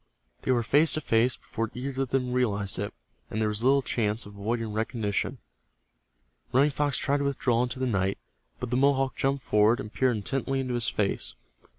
They were face to face before either of them realized it, and there was little chance of avoiding recognition. Running Fox tried to withdraw into the night, but the Mohawk jumped forward and peered intently into his face.